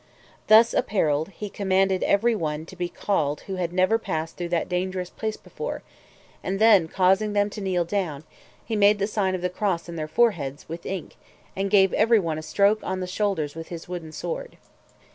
Thus apparelled, he commanded every one to be called who had never passed through that dangerous place before; and then, causing them to kneel down, he made the sign of the cross on their foreheads, with ink, and gave every one a stroke on the shoulders with his wooden sword.